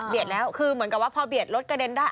แล้วคือเหมือนกับว่าพอเบียดรถกระเด็นได้